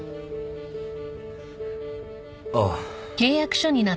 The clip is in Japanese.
ああ